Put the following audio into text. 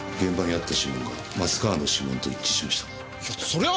それは！